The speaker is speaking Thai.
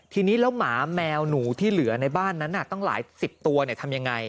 ทีนี้แล้วหมาแมวหนูที่เหลือในบ้านนั้นตั้งหลายสิบตัวทำยังไง